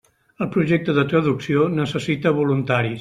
El projecte de traducció necessita voluntaris.